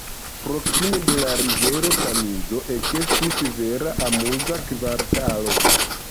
Proksime de la rivero Tamizo ekestis vera amuza kvartalo.